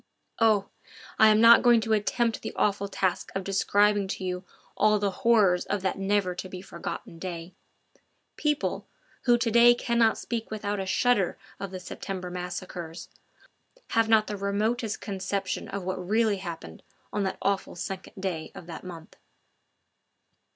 Oh! I am not going to attempt the awful task of describing to you all the horrors of that never to be forgotten day. People, who to day cannot speak without a shudder of the September massacres, have not the remotest conception of what really happened on that awful second day of that month.